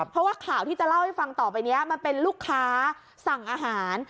เพราะว่าข่าวที่จะเล่าให้ฟังต่อไปนี้มันเป็นลูกค้าสั่งอาหาร